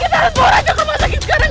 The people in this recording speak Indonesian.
kita harus bawa aja ke rumah sakit sekarang